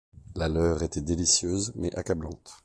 La leur était délicieuse, mais accablante.